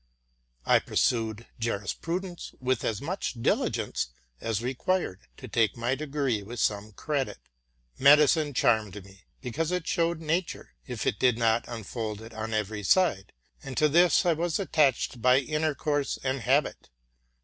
I pursued jurisprudence with as much diligence as was required to take my degree with some credit. Medicine charmed me, because it showed nature, if it did not unfold it on every side; and to this I was attached by intercourse and habit.